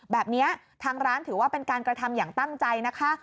แบบนี้ทางร้านถือว่าเป็นการกระทำอย่างตั้งใจนะคะ